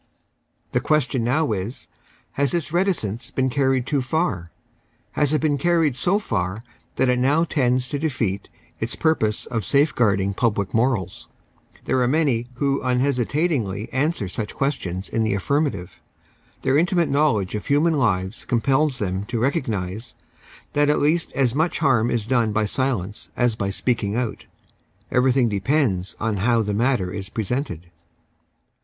The question now is, Has this reticence been carried too far ? Has it been carried so far that it now tends to defeat its purpose of safeguarding public morals ? There are many who unhesitatingly answer such questions in the affirmative. Their intimate knowledge of human lives compels them to recognise that at least as much iiarm is done by silence as by speaking out. Everything depends on how the matter is presented.